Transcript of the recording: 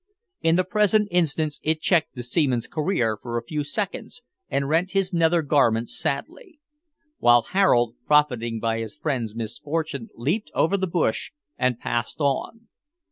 In the present instance it checked the seaman's career for a few seconds, and rent his nether garments sadly; while Harold, profiting by his friend's misfortune, leaped over the bush, and passed on.